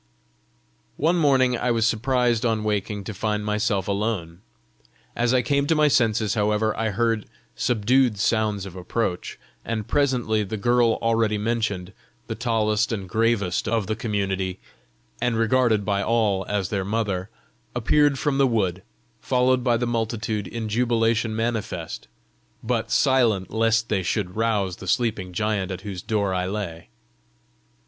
One morning I was surprised on waking to find myself alone. As I came to my senses, however, I heard subdued sounds of approach, and presently the girl already mentioned, the tallest and gravest of the community, and regarded by all as their mother, appeared from the wood, followed by the multitude in jubilation manifest but silent lest they should rouse the sleeping giant at whose door I lay.